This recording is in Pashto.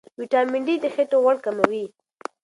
ویټامین ډي د خېټې غوړ کموي.